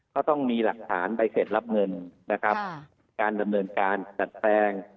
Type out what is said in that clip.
เขาต้องมีหลักฐานใบเสร็จรับเงินนะครับการดำเนินการจัดแปลง